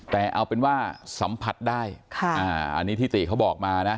แต่เอาเป็นว่าสัมผัสได้อันนี้ที่ติเขาบอกมานะ